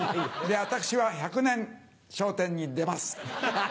私は１００年『笑点』に出ます。